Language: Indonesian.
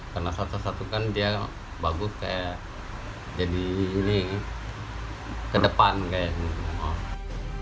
karena salah satu kan dia bagus kayak jadi ini ke depan kayak gitu